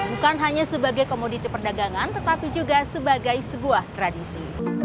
bukan hanya sebagai komoditi perdagangan tetapi juga sebagai sebuah tradisi